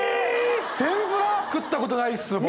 天ぷら⁉食ったことないっす僕。